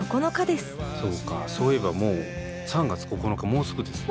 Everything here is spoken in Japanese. そうかそういえばもう３月９日もうすぐですね。